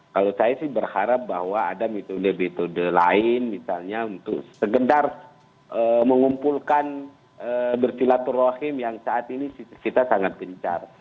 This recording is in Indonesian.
kalau saya sih berharap bahwa ada metode metode lain misalnya untuk segedar mengumpulkan bersilaturahim yang saat ini kita sangat gencar